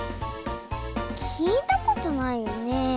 きいたことないよねえ？